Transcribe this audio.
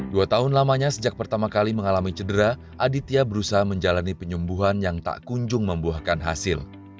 dua tahun lamanya sejak pertama kali mengalami cedera aditya berusaha menjalani penyembuhan yang tak kunjung membuahkan hasil